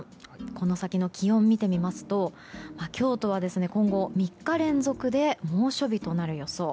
この先の気温を見てみますと京都は今後３日連続で猛暑日となる予想。